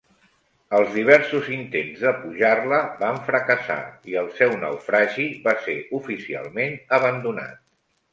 Els diversos intents de pujar-la van fracassar i el seu naufragi va ser oficialment abandonat.